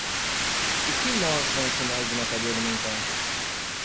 O que mostram os sinais de uma cadeia alimentar?